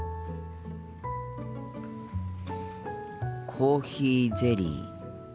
コーヒーゼリー。